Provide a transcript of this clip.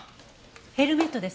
ヘルメットですね